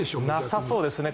なさそうですね